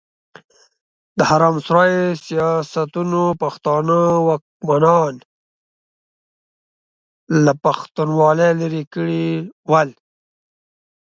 د حرم سرای سياستونو پښتانه واکمنان له پښتونولي ليرې کړي ول.